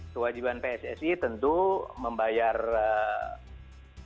kewajiban pssi tentu membayar nilai kontrak